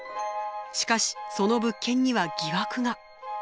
しかしその物件には疑惑が。